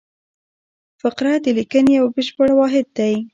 فقره د لیکني یو بشپړ واحد دئ.